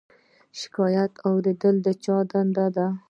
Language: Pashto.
شکایت اوریدل د چا دنده ده؟